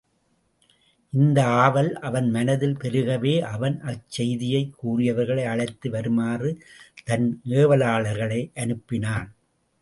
இந்த ஆவல் அவன் மனத்தில் பெருகவே அவன் அச் செய்தியைக் கூறியவர்களை அழைத்து வருமாறு தன் ஏவலர்களை அனுப்பினான்.